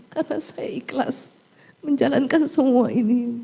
karena saya ikhlas menjalankan semua ini